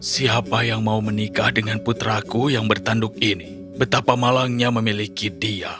siapa yang mau menikah dengan putraku yang bertanduk ini betapa malangnya memiliki dia